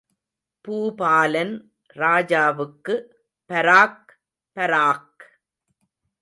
பூபாலன் ராஜாவுக்கு பராக்!... பராக்!